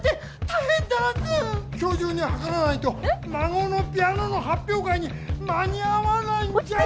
今日中にはからないとまごのピアノのはっぴょう会に間に合わないんじゃ！